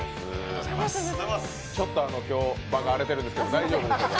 ちょっと今日、場が荒れてるんですけど大丈夫でしょうか。